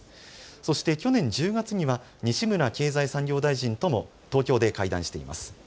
そして去年１０月には西村経済産業大臣とも東京で会談しています。